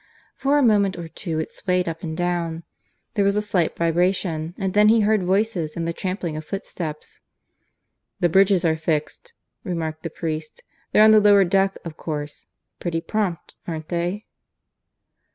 For a moment or two it swayed up and down; there was a slight vibration; and then he heard voices and the trampling of footsteps. "The bridges are fixed," remarked the priest. "They're on the lower deck, of course. Pretty prompt, aren't they?"